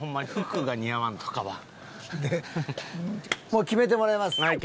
もう決めてもらいます。